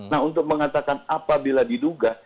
nah untuk mengatakan apabila diduga